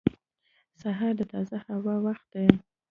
• سهار د تازه هوا وخت دی.